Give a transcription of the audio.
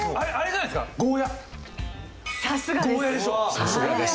さすがです。